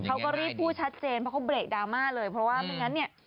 พวกเขาก็เรียบรูชัดเจนเพราะเขาเบรกดราม่า